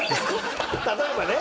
例えばね？